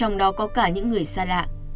trong đó có cả những người xa lạ